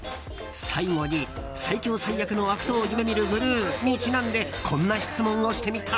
最後に最強最悪の悪党を夢見るグルーにちなんでこんな質問をしてみた。